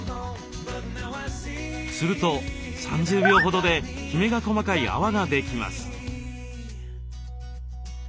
すると３０秒ほどできめが細かい泡ができます。